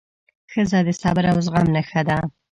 ښځه د صبر او زغم نښه ده.